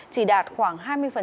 chỉ đạt khoảng hai mươi